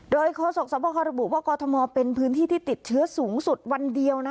โดยโฆษกสวบคระบุว่ากอทมเป็นพื้นที่ที่ติดเชื้อสูงสุดวันเดียวนะ